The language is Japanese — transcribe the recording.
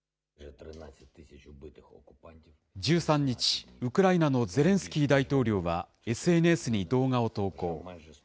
１３日、ウクライナのゼレンスキー大統領は、ＳＮＳに動画を投稿。